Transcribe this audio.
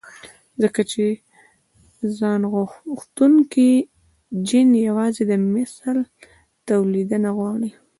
ځکه چې ځانغوښتونکی جېن يوازې د مثل توليد نه غواړي.